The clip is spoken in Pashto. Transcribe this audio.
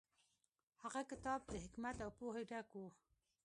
هغه کتاب د حکمت او پوهې ډک و.